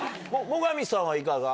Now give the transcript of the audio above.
最上さんはいかが？